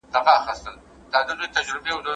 که سانسور ختم سي تر پخوا به ښه کتابونه وليکل سي.